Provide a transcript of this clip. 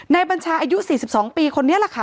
นายบัญชาอายุ๔๒ปีคนนี้ล่ะค่ะ